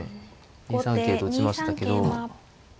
２三桂と打ちましたけど。